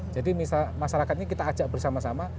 jadi masyarakat ini kita ajak bersama sama